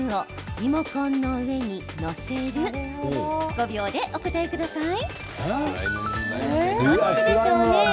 ５秒でお答えください。